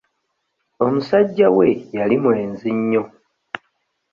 Omusajja we yali mwenzi nnyo.